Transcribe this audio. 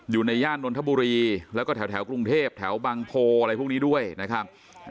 อยู่ในย่านนทบุรีแล้วก็แถวกรุงเทพแถวบางโพอะไรพวกนี้ด้วยนะครับ